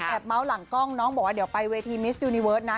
เมาส์หลังกล้องน้องบอกว่าเดี๋ยวไปเวทีมิสยูนิเวิร์ดนะ